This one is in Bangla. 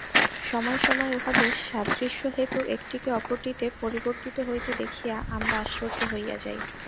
সময় সময় উহাদের সাদৃশ্যহেতু একটিকে অপরটিতে পরিবর্তিত হইতে দেখিয়া আমরা আশ্চর্য হইয়া যাই।